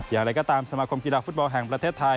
อย่างไรก็ตามสมาคมกีฬาฟุตบอลแห่งประเทศไทย